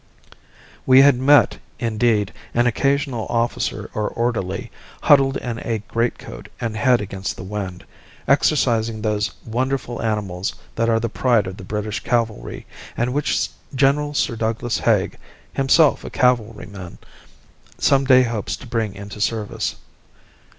We had met, indeed, an occasional officer or orderly, huddled in a greatcoat and head against the wind, exercising those wonderful animals that are the pride of the British cavalry and which General Sir Douglas Haig, himself a cavalryman, some day hopes to bring into service.